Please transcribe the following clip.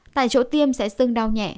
tại chỗ tiêm sẽ sưng đau nhẹ